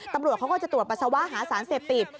ตำรวจเขาก็จะตรวจปัสสาวะหาสารเสพติด